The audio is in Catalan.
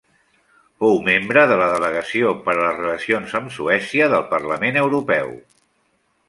Fou membre de la Delegació per a les relacions amb Suècia del Parlament Europeu.